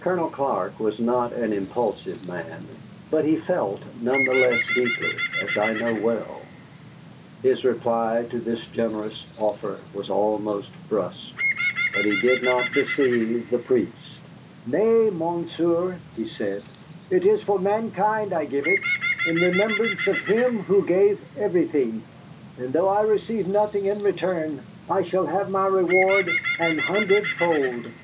Colonel Clark was not an impulsive man, but he felt none the less deeply, as I know well. His reply to this generous offer was almost brusque, but it did not deceive the priest. "Nay, monsieur," he said, "it is for mankind I give it, in remembrance of Him who gave everything. And though I receive nothing in return, I shall have my reward an hundred fold."